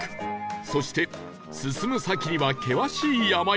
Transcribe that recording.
そして進む先には険しい山々